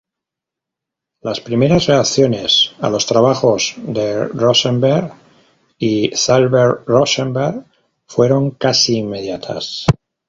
Las primeras reacciones a los trabajos de Rosenberg y Zilber-Rosenberg fueron casi inmediatas.